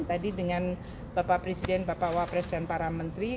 tadi dengan bapak presiden bapak wapres dan para menteri